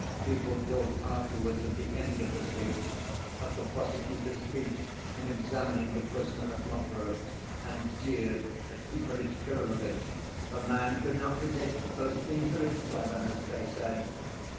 People talked afterwards of the end of the speech, of the prosecutor's feat in examining the prisoner at Mokroe, and jeered at Ippolit Kirillovitch. "The man could not resist boasting of his cleverness," they said.